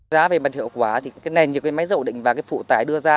giá về mặt hiệu quả thì cái nền như cái máy dầu ổn định và cái phụ tải đưa ra